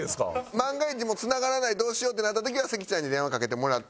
万が一つながらないどうしようってなった時は関ちゃんに電話かけてもらって。